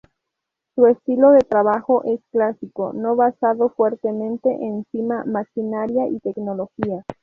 Su estilo de trabajo es clásico, no basado fuertemente encima maquinaria y tecnología.